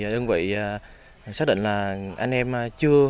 đơn vị xác định là anh em chưa